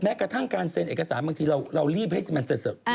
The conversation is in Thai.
กระทั่งการเซ็นเอกสารบางทีเรารีบให้มันเสร็จ